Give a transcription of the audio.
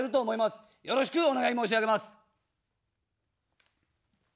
よろしくお願い申し上げます。